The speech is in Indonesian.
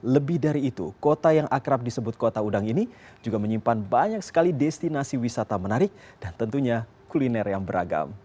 lebih dari itu kota yang akrab disebut kota udang ini juga menyimpan banyak sekali destinasi wisata menarik dan tentunya kuliner yang beragam